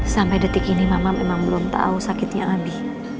sampai detik ini mama memang belum tahu sakitnya andi